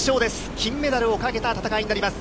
金メダルをかけた戦いになります。